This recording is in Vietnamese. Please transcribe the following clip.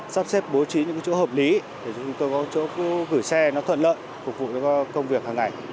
sắp xếp bố trí những chỗ hợp lý để chúng tôi có chỗ gửi xe nó thuận lợi phục vụ cho công việc hàng ngày